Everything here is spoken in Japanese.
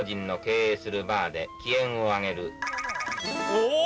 おお！